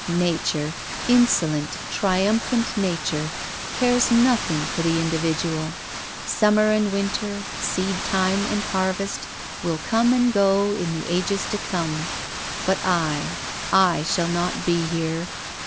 Nature — insolent, triumphant Nature— cares nothing for the individual .. Summer and winter, seedtime and harvest, will come and go in the ages to come, but I — I shall not be here.